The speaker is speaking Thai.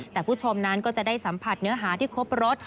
แต่ผู้ชมนั้นก็จะได้สัมผัสเนื้อหาที่ครบรส